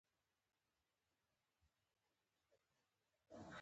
ما خپله لعنتي پټۍ په دې خاطر له ټپ نه ایسته کړه.